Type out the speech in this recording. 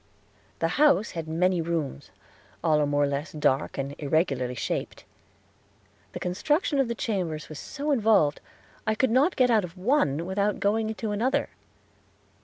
The house had many rooms, all more or less dark and irregularly shaped. The construction of the chambers was so involved, I could not get out of one without going into another.